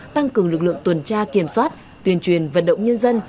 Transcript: tăng cường lực lượng tuần tra kiểm soát tuyên truyền vận động nhân dân